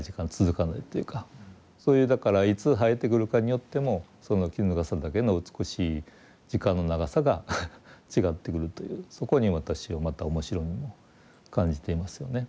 そういうだからいつ生えてくるかによってもそのキヌガサダケの美しい時間の長さが違ってくるというそこに私はまた面白みも感じていますよね。